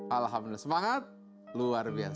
alhamdulillah semangat luar biasa